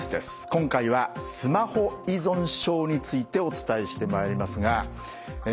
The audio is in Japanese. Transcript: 今回はスマホ依存症についてお伝えしてまいりますがえ